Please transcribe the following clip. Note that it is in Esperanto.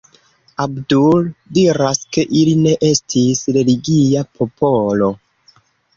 Abdul diras ke ili ne estis religia popolo.